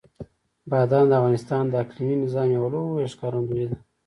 بادام د افغانستان د اقلیمي نظام یوه لویه ښکارندوی ده.